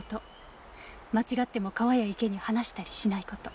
間違っても川や池に放したりしないこと。